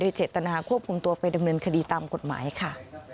เจตนาควบคุมตัวไปดำเนินคดีตามกฎหมายค่ะ